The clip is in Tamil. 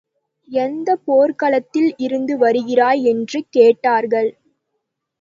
எந்தப் போர்க்களத்தில் இருந்து வருகிறாய்? என்று கேட்டார்கள்.